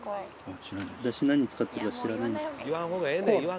出汁何使ってるか知らないんです。